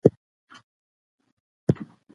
دوی غوښتل چي پر تجارتي لارو واک ولري.